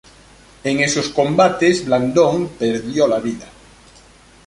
En esos combates Blandón perdió la vida.